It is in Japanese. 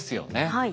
はい。